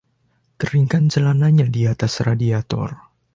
Keringkan celananya di atas radiator.